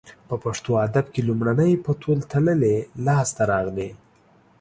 په پښتو ادب کې لومړنۍ په تول تللې لاسته راغلې